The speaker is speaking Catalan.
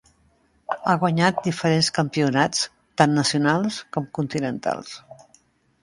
Ha guanyat diferents campionats tant nacionals com continentals.